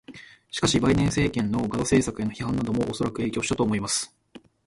しかし、バイデン政権のガザ政策への批判などもおそらく影響したと思います。